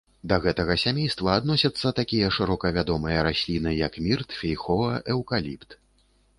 Да гэтага сямейства адносяцца такія шырока вядомыя расліны, як мірт, фейхоа, эўкаліпт.